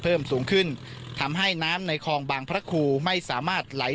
เพิ่มสูงขึ้นทำให้น้ำในคลองบางพระครูไม่สามารถไหล